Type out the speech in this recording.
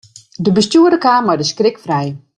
De bestjoerder kaam mei de skrik frij.